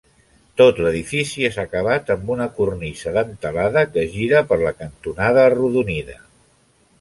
Tot l'edifici és acabat amb una cornisa dentelada que gira per la cantonada arrodonida.